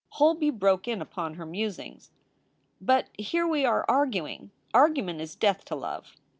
Holby broke in upon her musings: "But here we are arguing. Argument is death to love.